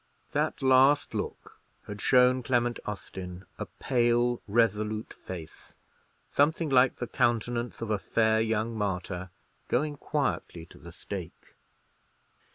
That last look had shown Clement Austin a pale resolute face, something like the countenance of a fair young martyr going quietly to the stake.